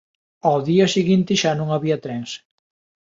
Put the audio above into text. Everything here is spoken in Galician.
Ó día seguinte xa no había trens.